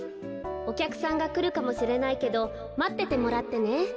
おきゃくさんがくるかもしれないけどまっててもらってね」。